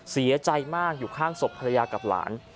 เสียใจมากอยู่ข้างศพภรรยากับหลาน